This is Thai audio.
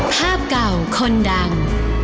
ภาพเก่าคนดัง